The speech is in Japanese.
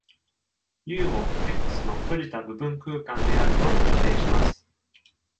「U」を、「X」の閉じた部分空間であると仮定します。